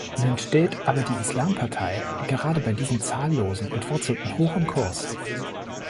Nun steht aber die Islam-Partei gerade bei diesen zahllosen Entwurzelten hoch im Kurs.